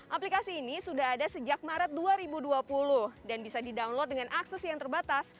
aplikasi ini sudah ada sejak maret dua ribu dua puluh dan bisa di download dengan akses yang terbatas